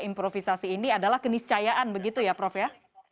improvisasi ini adalah keniscayaan begitu ya prof ya